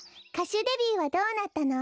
しゅデビューはどうなったの？